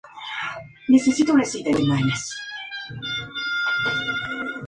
Entre los equipos afectados se incluye el Xerez B, que había descendido de categoría.